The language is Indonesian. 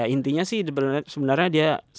intinya sih sebenernya dia